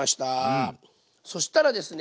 そしたらですね